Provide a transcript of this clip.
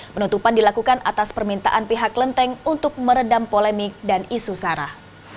penutupan dilakukan atas permintaan pihak klenteng untuk meredam polemik dan isu sarah